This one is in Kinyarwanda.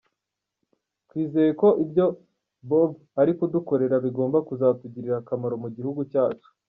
Twizeye ko ibyo Bob ari kudukorera bigomba kuzatugirira akamaro mu gihugu cyacu.